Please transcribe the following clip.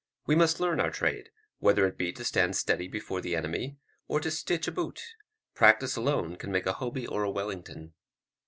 We must learn our trade, whether it be to stand steady before the enemy, or to stitch a boot; practice alone can make a Hoby or a Wellington.